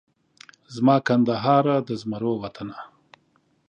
زما کندهاره د زمرو وطنه